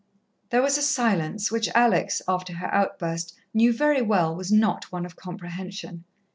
There was a silence, which Alex, after her outburst, knew very well was not one of comprehension.